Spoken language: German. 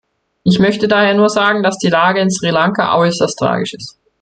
Ich möchte daher nur sagen, dass die Lage in Sri Lanka äußerst tragisch ist.